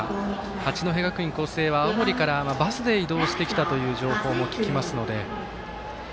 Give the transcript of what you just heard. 八戸学院光星は青森からバスで移動してきたという情報も聞きますので。